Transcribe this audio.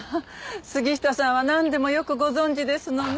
杉下さんはなんでもよくご存じですのねぇ。